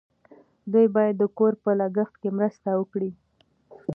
دوی باید د کور په لګښت کې مرسته وکړي.